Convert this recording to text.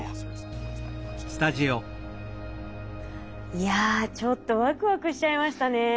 いやちょっとワクワクしちゃいましたね。